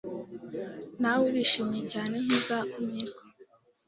Nawe urishimye cyane ntuzakumirwa